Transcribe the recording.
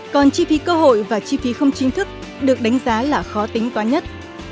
còn chi phí cơ hội và chi phí không chính thức được đánh giá là khó tính toán nhất